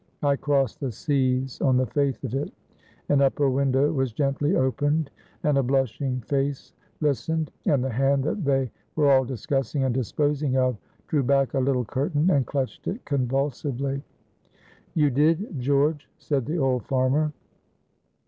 I crossed the seas on the faith of it." An upper window was gently opened, and a blushing face listened, and the hand that they were all discussing and disposing of drew back a little curtain, and clutched it convulsively. "You did, George," said the old farmer.